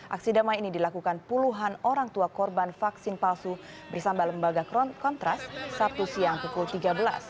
aksi damai ini dilakukan puluhan orang tua korban vaksin palsu bersama lembaga kontras sabtu siang pukul tiga belas